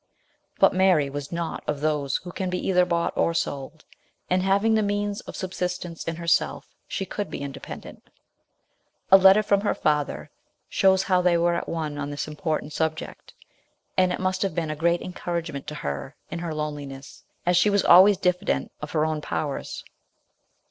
But Mary was not of those who can be either bought or sold, and, having the means of subsistence in herself, she could be inde 176 MRS. SHELLEY. pendent ; a letter from her father shows how they were at one on this important subject, and it must have been a great encouragement to her in her loneliness, as she was always diffident of her own powers.